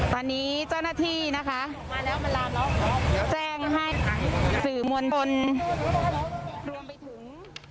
ตอนนี้เจ้าหน้าที่นะคะแจ้งให้สื่อมวลชนรวมไปถึง